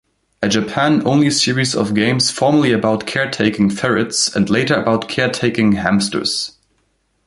A Japan-only series of games formally about care-taking ferrets, and later about care-taking hamsters.